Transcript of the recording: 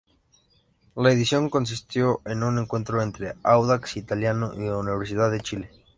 La edición consistió en un encuentro entre Audax Italiano y Universidad de Chile.